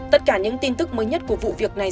tất cả những tin tức mới nhất của vụ việc này